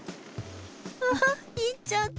あ行っちゃった。